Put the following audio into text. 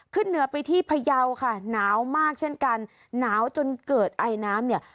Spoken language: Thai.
ขึ้นเหนือไปที่พยาวค่ะหนาวมากเช่นกันหนาวจนเกิดไอน้ำเนี่ย